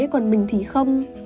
còn mình thì không